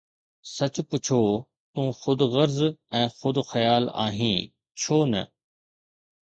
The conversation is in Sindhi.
سچ پڇو، تون خود غرض ۽ خود خيال آهين، ڇو نه؟